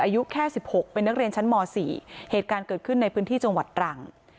อายุแค่๑๖เป็นนักเรียนชั้นม๔เหตุการณ์เกิดขึ้นในพื้นที่จังหวัดตรัง